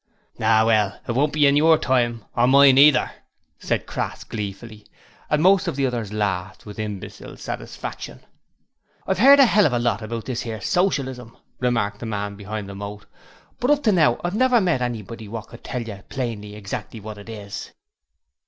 'Ah well, it won't be in your time, or mine either,' said Crass gleefully, and most of the others laughed with imbecile satisfaction. 'I've 'eard a 'ell of a lot about this 'ere Socialism,' remarked the man behind the moat, 'but up to now I've never met nobody wot could tell you plainly exactly wot it is.'